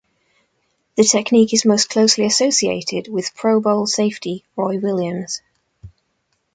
The technique is most closely associated with Pro Bowl safety Roy Williams.